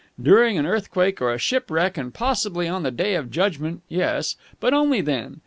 During an earthquake or a shipwreck and possibly on the Day of Judgment, yes. But only then.